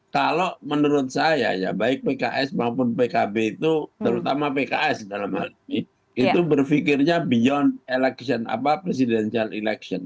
kalau menurut saya ya baik pks maupun pkb itu terutama pks dalam hal ini itu berpikirnya beyond election apa presidential election